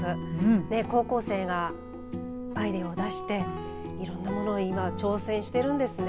高校生がアイデアを出していろんなものを今挑戦してるんですね。